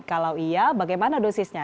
kalau iya bagaimana dosisnya